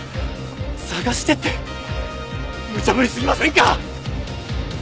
捜してってむちゃぶりすぎませんか！？